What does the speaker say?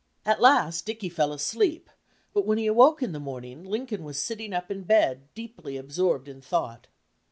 At last Dickey fell asleep, but when he awoke in the morning, Lincoln was sitting up in bed, deeply absorbed in thought.